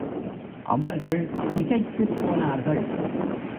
அவர்கள் திகைத்துப் போனார்கள்.